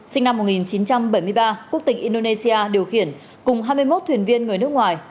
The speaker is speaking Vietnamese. sinh năm một nghìn chín trăm bảy mươi ba quốc tịch indonesia điều khiển cùng hai mươi một thuyền viên người nước ngoài